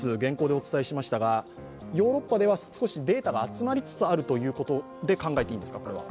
お伝えしましたがヨーロッパでは少しデータが集まりつつあると考えていいんですか？